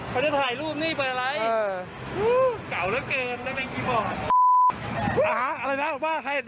เปิดอะไรเค้าจะถ่ายรูปนี้เปิดอะไรเออฮู้เก่าแล้วเกินแล้วแม่งกี่บอร์ด